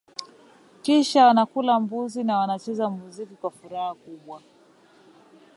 Kisha wanakula mbuzi na wanacheza muziki kwa furaha kubwa